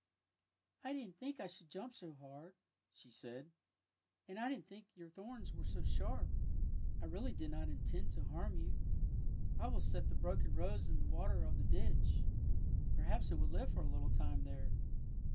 " I didn't think I should jvmip so hard," she said. '' And I didn't know your thorns were so sharp. I really did not intend to harm you. '' I will set the broken rose in the water of the ditch. Perhaps it will live for a little time there!